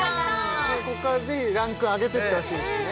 ここからぜひランク上げてってほしいですね